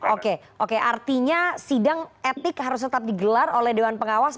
oke oke artinya sidang etik harus tetap digelar oleh dewan pengawas